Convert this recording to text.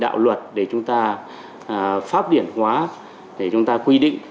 đạo luật để chúng ta pháp điển hóa để chúng ta quy định